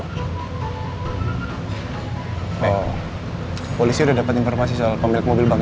oh polisi udah dapat informasi soal pembeli mobil bank ya